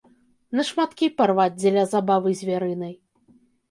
На шматкі парваць, дзеля забавы звярынай.